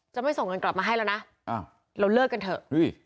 จะไม่ส่งเงินกลับมาให้แล้วนะอ้าวเราเลิกกันเถอะอุ๊ย